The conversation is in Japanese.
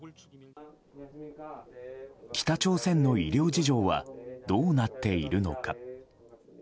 北朝鮮の医療事情はどうなっているのか。